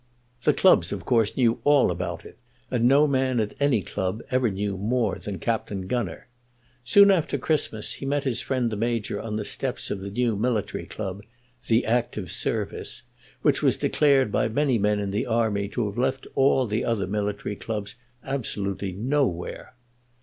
The clubs of course knew all about it, and no man at any club ever knew more than Captain Gunner. Soon after Christmas he met his friend the Major on the steps of the new military club, The Active Service, which was declared by many men in the army to have left all the other military clubs "absolutely nowhere."